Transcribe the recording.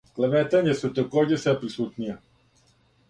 Клеветања су такође све присутнија.